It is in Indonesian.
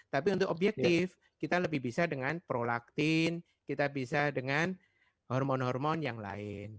tapi untuk objektif kita lebih bisa dengan prolaktin kita bisa dengan hormon hormon yang lain